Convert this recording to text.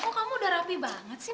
oh kamu udah rapi banget sih